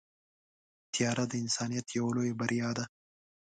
طیاره د انسانیت یوه لویه بریا ده.